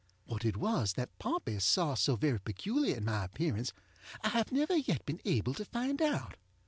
What it was that Pompey saw so very peculiar in my appearance I have never yet been able to find out.